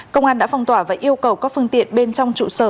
công an đã phong tỏa và yêu cầu các phương tiện bên trong trụ sở